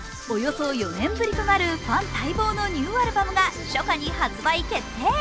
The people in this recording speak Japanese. およそ４年ぶりとなるファン待望のニューアルバムが初夏に発売決定。